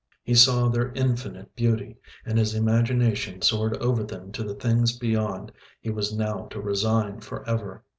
He saw their infinite beauty, and his imagination soared over them to the things beyond he was now to resign for ever!